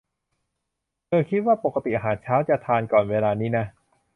เธอคิดว่า ปกติอาหารเช้าจะทานก่อนเวลานี้นะ